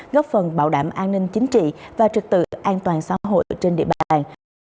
góp phần bảo đảm an ninh chính trị và trực tự an toàn xã hội trên địa bàn